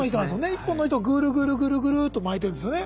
１本の糸をぐるぐるぐるぐると巻いてるんですよね。